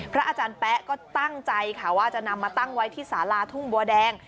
อาจารย์แป๊ะก็ตั้งใจค่ะว่าจะนำมาตั้งไว้ที่สาลาทุ่งบัวแดง